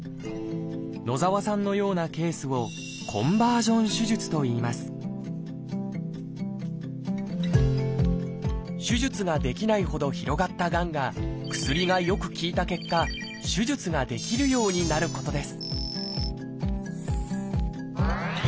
野澤さんのようなケースを手術ができないほど広がったがんが薬がよく効いた結果手術ができるようになることです